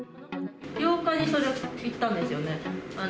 ８日に行ったんですよね。